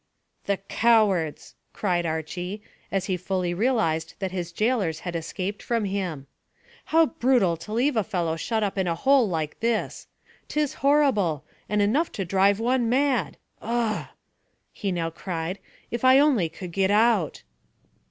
"The cowards!" cried Archy, as he fully realised that his gaolers had escaped from him. "How brutal to leave a fellow shut up in a hole like this. 'Tis horrible; and enough to drive one mad. Ugh!" he now cried, "if I only could get out!"